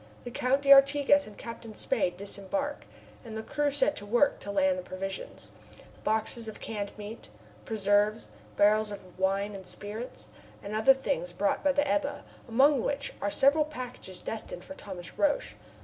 The Count d'Artigas and Captain Spade disembark, and the crew set to work to land the provisions boxes of canned meat, preserves, barrels of wine and spirits, and other things brought by the Ebba, among which are several packages destined for Thomas Roch.